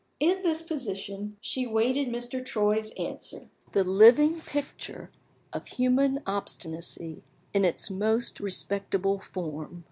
In this position she waited Mr. Troy's answer the living picture of human obstinacy in its most respectable form.